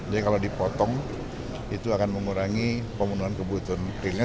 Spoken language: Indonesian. jadi kalau dipotong itu akan mengurangi pemenuhan kebutuhan realnya